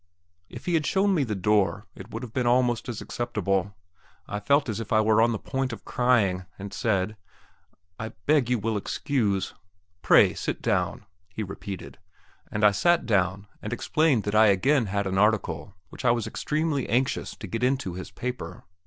If he had shown me the door it would have been almost as acceptable. I felt as if I were on the point of crying and said: "I beg you will excuse...." "Pray, sit down," he repeated. And I sat down, and explained that I again had an article which I was extremely anxious to get into his paper.